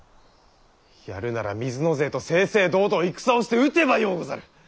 やるなら水野勢と正々堂々戦をして討てばようござる。